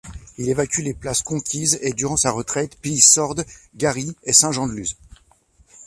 Il évacue les places conquises et, durant sa retraite, pille Sordes, Garris et Saint-Jean-de-Luz.